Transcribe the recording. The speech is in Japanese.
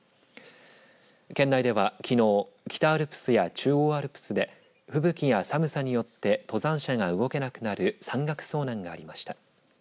県内ではきのう、北アルプスや中央アルプスで吹雪や寒さによって登山者が動けなくなる山岳遭難がありました。